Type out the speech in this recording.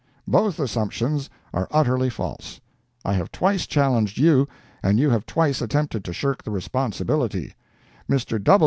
Both assumptions are utterly false. I have twice challenged you, and you have twice attempted to shirk the responsibility. Mr.